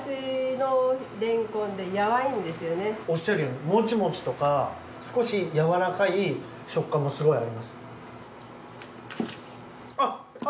おっしゃるようにモチモチとか少しやわらかい食感がすごいあります。